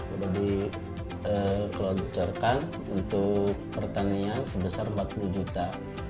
sudah di gelontorkan untuk pertanian sebesar empat puluh juta